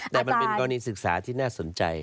แต่มันเป็นกรณีศึกษาที่น่าสนใจ